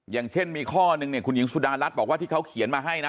อย่างเช่นมีข้อนึงเนี่ยคุณหญิงสุดารัฐบอกว่าที่เขาเขียนมาให้นะ